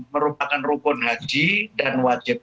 merupakan rukun haji dan wajib